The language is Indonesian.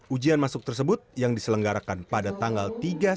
ujian masuk tersebut yang diselenggarakan pada tanggal tiga september